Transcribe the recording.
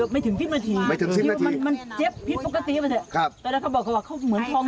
ไปหาที่นั่ง